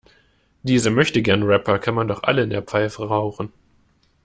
Diese Möchtegern-Rapper kann man doch alle in der Pfeife rauchen.